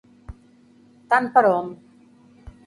Tant per hom.